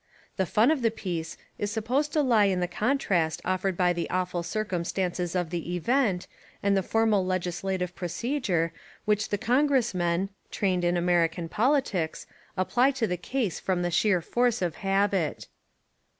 The fun of the piece is supposed to lie in the contrast offered by the awful circumstances of the event, and the formal legislative procedure which the 124 American Humour Congressmen, trained in American politics, ap ply to the case from sheer force of habit.